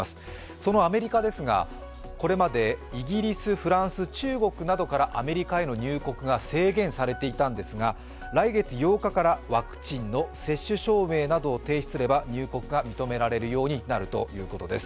そのアメリカですが、これまでイギリス、フランス、中国などからアメリカへの入国が制限されていたんですが、来月８日からワクチンの接種証明などを提出すれば、入国が認められるようになるということです。